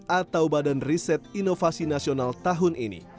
atau badan riset inovasi nasional tahun ini